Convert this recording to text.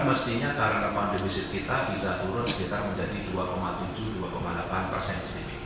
mestinya karakterisasi kita bisa turun sekitar menjadi dua tujuh dua delapan persen